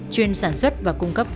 chuyên sản xuất và cung cấp